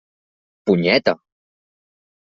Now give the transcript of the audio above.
Punyeta!